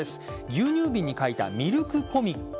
牛乳瓶に描いたミルクコミック。